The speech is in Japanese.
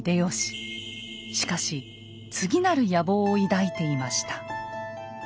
しかし次なる野望を抱いていました。